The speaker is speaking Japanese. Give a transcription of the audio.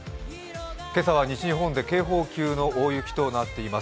今朝は西日本で警報級の大雪となっています。